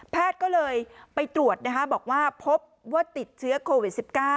ก็เลยไปตรวจบอกว่าพบว่าติดเชื้อโควิด๑๙